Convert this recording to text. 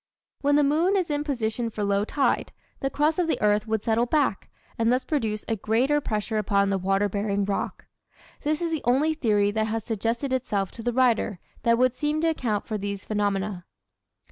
When the moon is in position for low tide, the crust of the earth would settle back and thus produce a greater pressure upon the water bearing rock. This is the only theory that has suggested itself to the writer that would seem to account for these phenomena.